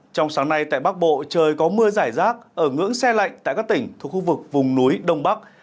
trong sáng nay tại bắc bộ trời có mưa giải rác ở ngưỡng xe lạnh tại các tỉnh thuộc khu vực vùng núi đông bắc